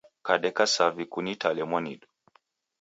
Kadeka savi kunitale mwanidu